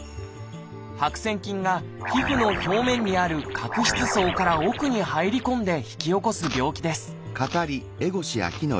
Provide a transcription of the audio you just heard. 白癬菌が皮膚の表面にある角質層から奥に入り込んで引き起こす病気です